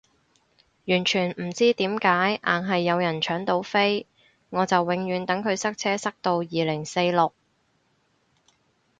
完全唔知點解硬係有人搶到飛，我就永遠等佢塞車塞到二零四六